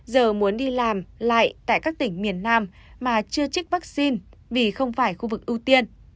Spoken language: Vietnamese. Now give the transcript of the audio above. giờ muốn đi làm lại tại các tỉnh miền nam mà chưa trích vaccine vì không phải khu vực ưu tiên